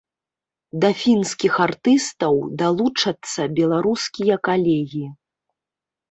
Да фінскіх артыстаў далучацца беларускія калегі.